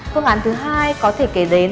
phương án thứ hai có thể kể đến